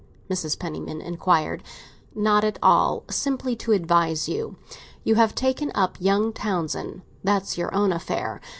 Mrs. Penniman inquired. "Not at all. Simply to advise you. You have taken up young Townsend; that's your own affair.